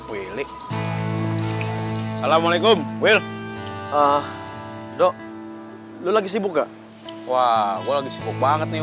willy assalamualaikum will dok lo lagi sibuk gak wah gue lagi sibuk banget nih